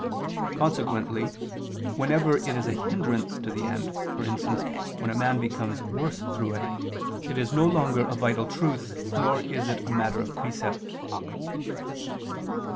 Consequently whenever it is a hindrance to the end, for instance when a man becomes worse through it, it is longer a vital truth, nor is it a matter of precept.